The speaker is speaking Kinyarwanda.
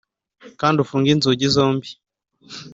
kandi ufunge inzugi zombi.